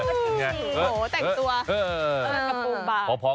โอ้โหแต่งตัวต้องกระปุ่งบ้าง